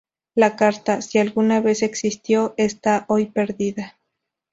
La carta, si alguna vez existió, está hoy perdida.